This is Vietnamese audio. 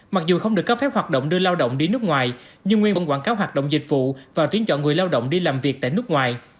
mặc dù không được cấp phép hoạt động đưa lao động đi nước ngoài nhưng nguyên vẫn quảng cáo hoạt động dịch vụ và tuyến chọn người lao động đi làm việc tại nước ngoài